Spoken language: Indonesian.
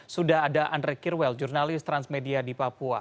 sudah ada andre kirwel jurnalis transmedia di papua